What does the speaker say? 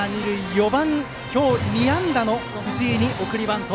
４番、今日２安打の藤井に送りバント。